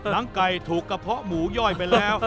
ไก่ถูกกระเพาะหมูย่อยไปแล้ว